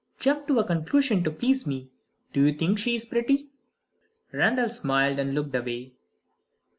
"Jump to a conclusion to please me. Do you think she's pretty?" Randal smiled and looked away.